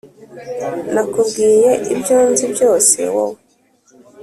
nakubwiye ibyo nzi byose wowe